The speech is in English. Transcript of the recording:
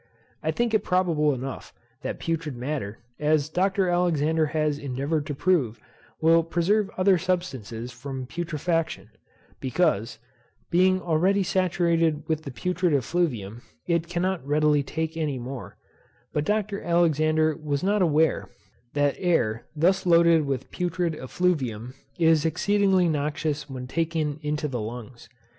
I think it probable enough, that putrid matter, as Dr. Alexander has endeavoured to prove, will preserve other substances from putrefaction; because, being already saturated with the putrid effluvium, it cannot readily take any more; but Dr. Alexander was not aware, that air thus loaded with putrid effluvium is exceedingly noxious when taken into the lungs.